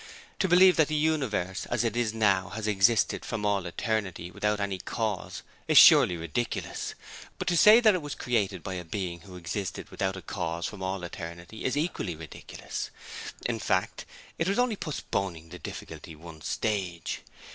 To believe that the universe as it is now has existed from all eternity without any Cause is surely ridiculous. But to say that it was created by a Being who existed without a Cause from all eternity is equally ridiculous. In fact, it was only postponing the difficulty one stage.